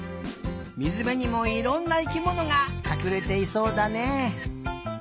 みずべにもいろんな生きものがかくれていそうだね。